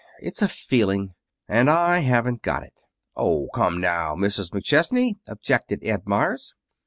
It's a feeling. And I haven't got it." "Oh, come now, Mrs. McChesney!" objected Ed Meyers.